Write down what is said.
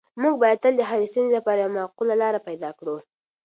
موږ باید تل د هرې ستونزې لپاره یوه معقوله لاره پیدا کړو.